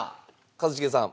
一茂さん。